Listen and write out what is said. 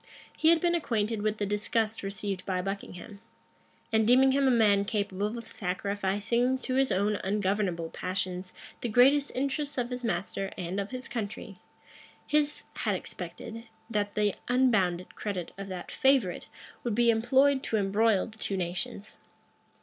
He had been acquainted with the disgust received by Buckingham; and deeming him a man capable of sacrificing to his own ungovernable passions the greatest interests of his master and of his country, his had expected, that the unbounded credit of that favorite would be employed to embroil the two nations.